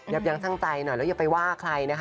ยั้งช่างใจหน่อยแล้วอย่าไปว่าใครนะคะ